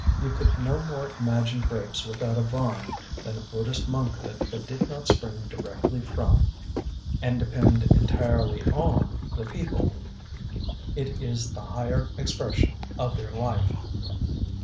You could no more imagine grapes without a vine than a Buddhist monkhood that did not spring directly from, and depend entirely on, the people. It is the higher expression of their life.